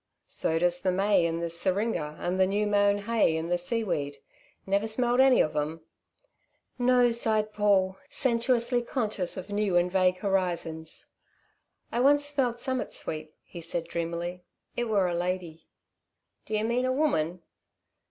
So does the may and the syringa and the new mown hay and the seaweed. Never smelt any of 'em?" "No," sighed Paul, sensuously conscious of new and vague horizons. "I once smelled summat sweet," he said dreamily. "It wur a lady." "D'ye mean a woman?"